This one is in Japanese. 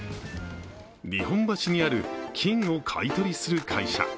日本橋にある金を買い取りする会社。